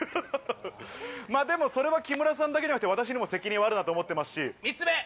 まぁでもそれは木村さんだけじゃなくて、私にも責任があると思ってますし。